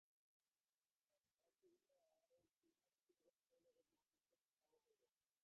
বাংলা সিনেমায় জুটি বেঁধে একসময় অভিনয় করতেন স্বামী চিত্রনায়ক নাঈমের সঙ্গে।